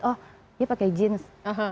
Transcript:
oh dia pakai jeans